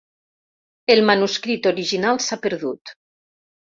El manuscrit original s'ha perdut.